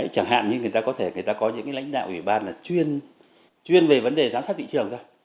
chẳng hạn như người ta có thể có những lãnh đạo ủy ban chuyên về vấn đề giám sát thị trường